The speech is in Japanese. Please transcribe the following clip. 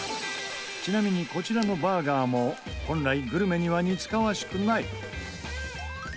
ちなみにこちらのバーガーも本来グルメには似つかわしくない。